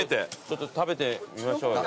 ちょっと食べてみましょうよ。